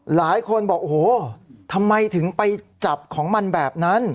หลายคนบอกโอ้โหทำไมถึงไปจับของมันแบบนั้น